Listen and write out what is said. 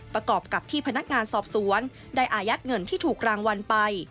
ประกอบกับที่พนักงานสอบสวนได้อายัดเงินที่ถูกรางวัลไป